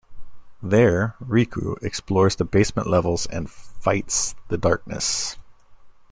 There, Riku, explores the basement levels and fights the darkness.